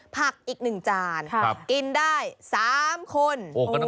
ผักอีกหนึ่งจานกินได้สามคน